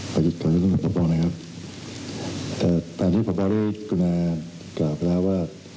ประจิตกรรมนักประป้องนะครับแต่ตอนที่ประป๋าเรียกกุณากล่าวแล้วว่า